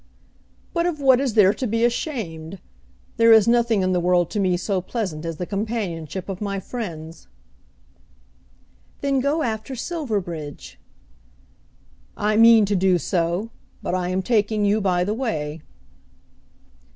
"But of what is there to be ashamed? There is nothing in the world to me so pleasant as the companionship of my friends." "Then go after Silverbridge." "I mean to do so; but I am taking you by the way."